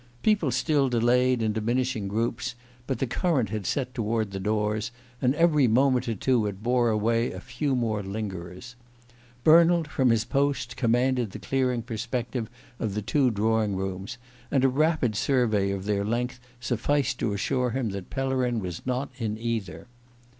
People still delayed, in diminishing groups, but the current had set toward the doors, and every moment or two it bore away a few more lingerers. Bernald, from his post, commanded the clearing perspective of the two drawing rooms, and a rapid survey of their length sufficed to assure him that Pellerin was not in either.